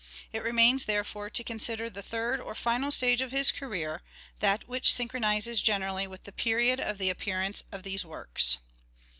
It remains, therefore, to consider the third or final stage of his career, that which synchronizes generally with the period of the appearance of these works.